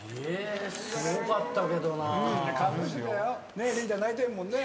ねえ？リーダー泣いてるもんね。